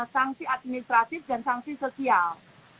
sanksi administratif dan sanksi sosial